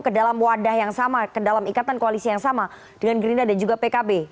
ke dalam wadah yang sama ke dalam ikatan koalisi yang sama dengan gerindra dan juga pkb